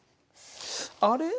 あれ？